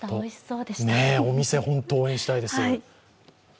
お店、本当に応援したいです。